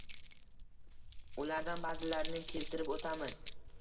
Ulardan ba’zilarini keltirib o‘tamiz: